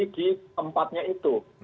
bagi tempatnya itu